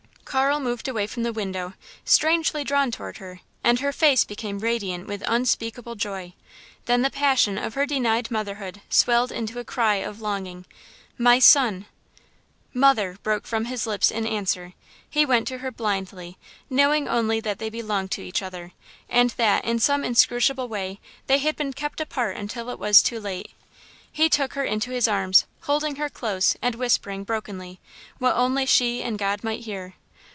Carl moved away from the window, strangely drawn toward her, and her face became radiant with unspeakable joy. Then the passion of her denied motherhood swelled into a cry of longing "My son!" "Mother!" broke from his lips in answer He went to her blindly, knowing only that they belonged to each other, and that, in some inscrutable way, they had been kept apart until it was too late. He took her into his arms, holding her close, and whispering, brokenly, what only she and God might hear!